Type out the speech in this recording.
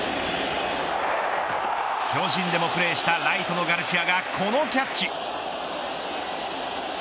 巨人でもプレーしたライトのガルシアがこのキャッチ。